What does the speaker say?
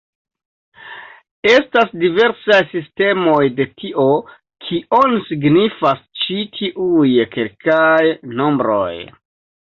Estas diversaj sistemoj de tio, kion signifas ĉi tiuj kelkaj nombroj.